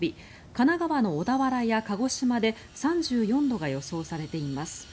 神奈川の小田原や鹿児島で３４度が予想されています。